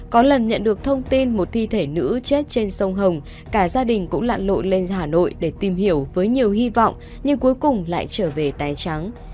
có lần nhận được thông tin một thi thể nữ chết trên sông hồng cả gia đình cũng lạn lội lên hà nội để tìm hiểu với nhiều hy vọng nhưng cuối cùng lại trở về tay trắng